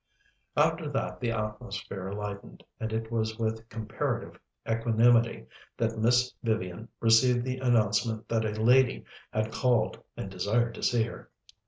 After that the atmosphere lightened, and it was with comparative equanimity that Miss Vivian received the announcement that a lady had called and desired to see her.